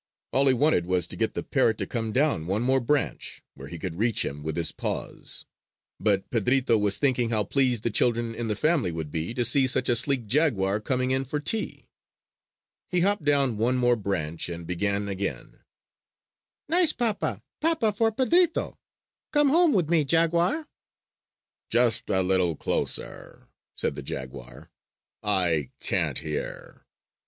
All he wanted was to get the parrot to come down one more branch, where he could reach him with his paws. But Pedrito was thinking how pleased the children in the family would be to see such a sleek jaguar coming in for tea. He hopped down one more branch and began again: "Nice papa! Papa for Pedrito! Come home with me, jaguar!" "Just a little closer!" said the jaguar. "I can't hear!" [Illustration: "Nice Bird! Nice Bird!" he growled, "Please come a little closer."